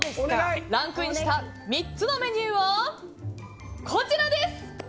ランクインした３つのメニューはこちらです！